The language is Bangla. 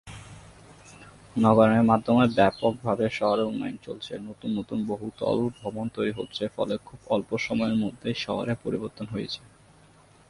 নগরায়নের মাধ্যমে ব্যাপকভাবে শহরের উন্নয়ন চলছে, নতুন নতুন বহুতল ভবন তৈরী হচ্ছে ফলে খুব অল্প সময়ের মধ্যেই শহরের পরিবর্তন হয়েছে।